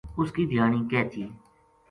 اُس کی دھیانی کہہ تھی